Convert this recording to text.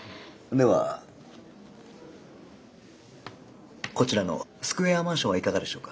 ではこちらのスクエアマンションはいかがでしょうか。